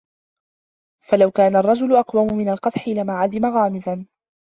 فَلَوْ كَانَ الرَّجُلُ أَقْوَمَ مِنْ الْقَدْحِ لَمَا عَدِمَ غَامِزًا